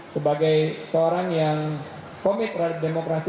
sebagai seorang yang komit terhadap demokrasi